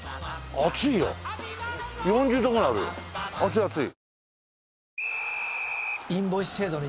熱い熱い。